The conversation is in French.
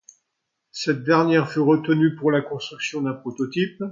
Cette dernière fut retenue pour la construction d’un prototype.